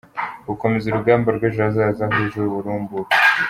Gukomeza urugamba rw’ejo hazaza huje uburumbuke.